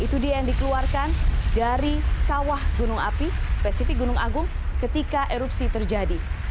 itu dia yang dikeluarkan dari kawah gunung api spesifik gunung agung ketika erupsi terjadi